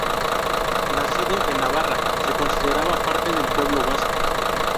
Nacido en Navarra, se consideraba parte del "pueblo vasco".